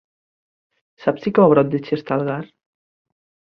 Saps si cau a prop de Xestalgar?